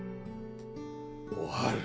おはる。